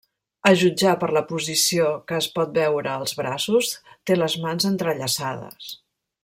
A jutjar per la posició que es pot veure als braços, té les mans entrellaçades.